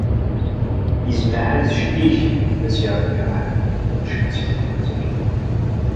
Yezmer lḥal d jeddi-k, fell-as yeɛfu yerḥem, i d-tqecmeḍ seg telqent-agi.